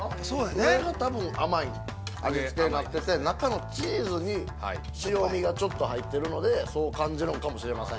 ◆上が多分甘い味付けになってて中のチーズに塩みがちょっと入ってるのでそう感じるんかもしれません。